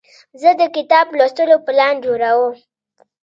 زه د کتاب لوستلو پلان جوړوم.